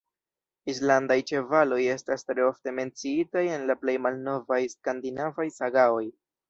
Islandaj ĉevaloj estas tre ofte menciitaj en la plej malnovaj skandinavaj sagaoj.